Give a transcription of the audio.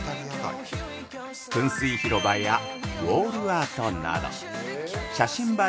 噴水広場や、ウォールアートなど写真映え